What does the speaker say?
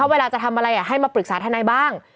เวลาจะทำอะไรให้มาปรึกษาทนายบ้าง